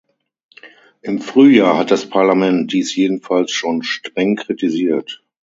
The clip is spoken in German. Im Frühjahr hat das Parlament dies jedenfalls schon streng kritisiert.